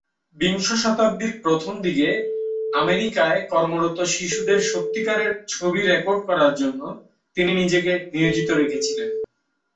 বিংশ শতাব্দীর প্রথম দিকে আমেরিকায় কর্মরত শিশুদের সত্যিকারের ছবি রেকর্ড করার জন্য তিনি নিজেকে নিয়োজিত রেখেছিলেন।